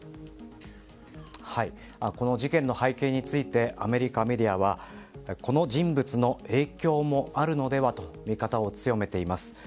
この事件の背景についてアメリカメディアはこの人物の影響もあるのではという見方を強めています。